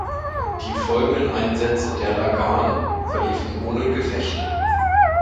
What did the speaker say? Die folgenden Einsätze der "Lagan" verliefen ohne Gefechte.